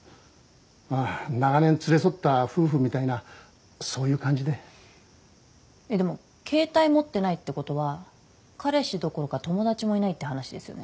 まあ長年連れ添った夫婦みたいなそういう感じででも携帯持ってないってことは彼氏どころか友達もいないって話ですよね？